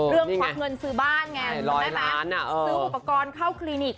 เรื่องควักเงินซื้อบ้านไงแบบซื้ออุปกรณ์เข้าคลินิก